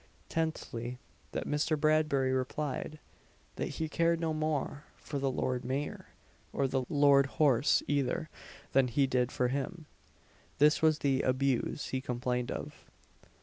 Tenthly, that Mr. Bradbury replied, that he cared no more for the Lord Mayor or the Lord Horse either, than he did for him. This was the "abuse" he complained of.